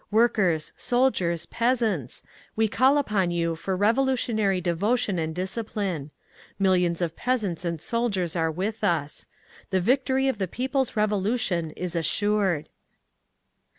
"Workers, soldiers, peasants! We call upon you for revolutionary devotion and discipline. "Millions of peasants and soldiers are with us. "The victory of the people's Revolution is assured!"